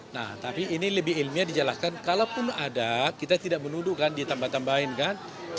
nah tapi ini lebih ilmiah dijelaskan kalaupun ada kita tidak menuduh kan ditambah tambahin kan